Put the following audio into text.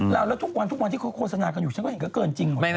แล้วทุกวันที่โฆษณากันอยู่ฉันก็เห็นก็เกินจริง